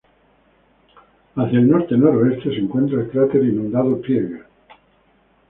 Hacia el norte-noreste se encuentra el cráter inundado Krieger.